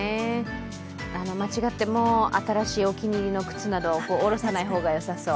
間違っても新しいお気に入りの靴などはおろさない方がよさそう。